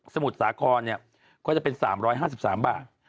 มุทรสาครก็จะเป็น๓๕๓บาท